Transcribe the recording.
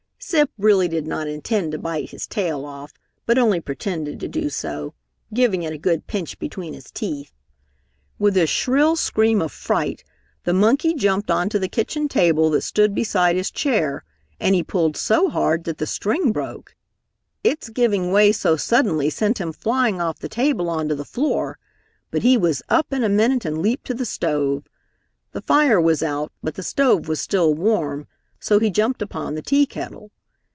Zip really did not intend to bite his tail off, but only pretended to do so, giving it a good pinch between his teeth. With a shrill scream of fright, the monkey jumped onto the kitchen table that stood beside his chair, and he pulled so hard that the string broke. Its giving way so suddenly sent him flying off the table onto the floor, but he was up in a minute and leaped to the stove. The fire was out, but the stove was still warm, so he jumped upon the tea kettle.